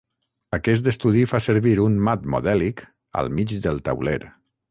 Aquest estudi fa servir un "mat modèlic" al mig del tauler.